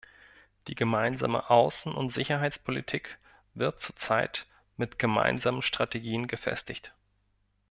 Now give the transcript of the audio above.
Die gemeinsame Außen- und Sicherheitspolitik wird zur Zeit mit gemeinsamen Strategien gefestigt.